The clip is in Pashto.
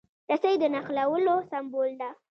رسۍ د نښلولو سمبول ده.